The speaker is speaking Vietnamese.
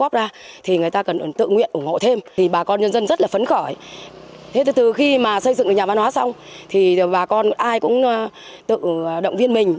bà con nhân dân rất là phấn khởi từ khi xây dựng nhà văn hóa xong bà con ai cũng tự động viên mình